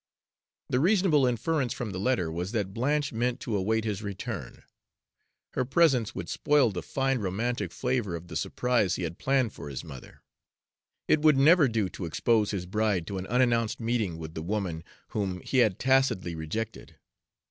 The reasonable inference from the letter was that Blanche meant to await his return. Her presence would spoil the fine romantic flavor of the surprise he had planned for his mother; it would never do to expose his bride to an unannounced meeting with the woman whom he had tacitly rejected.